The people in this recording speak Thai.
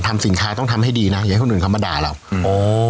ทำสินค้าต้องทำให้ดีน่ะอย่าให้คนอื่นคำประดาษหลังอ๋อ